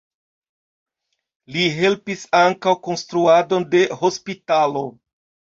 Li helpis ankaŭ konstruadon de hospitalo.